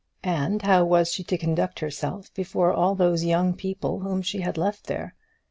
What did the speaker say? And how was she to conduct herself before all those young people whom she had left there?